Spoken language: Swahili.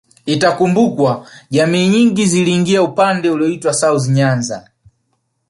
Itakumbukwa jamii nyingi ziliingia upande ulioitwa South Nyanza